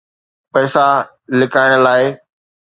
پئسا لڪائڻ لاءِ.